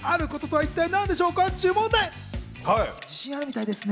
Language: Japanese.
自信あるみたいですね。